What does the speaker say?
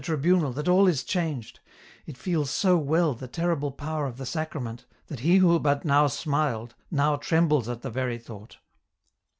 121 tribunal that all is changed, it feels so well the terrible power of the Sacrament, that he who but now smiled, now trembles :vt the very thought.